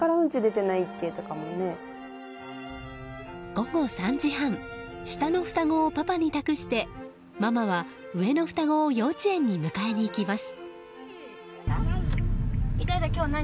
午後３時半下の双子をパパに託してママは上の双子を幼稚園に迎えに行きます。